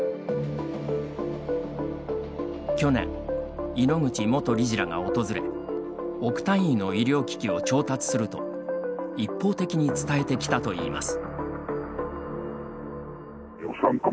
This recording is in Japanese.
去年、井ノ口元理事らが訪れ億単位の医療機器を調達すると一方的に伝えてきたといいます。